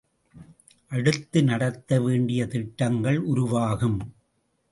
அடுத்து நடத்த வேண்டிய திட்டங்கள் உருவாகும்.